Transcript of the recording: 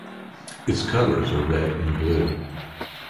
Its colors are red and blue.